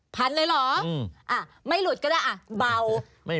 พันเลยเหรอไม่ลุดก็ได้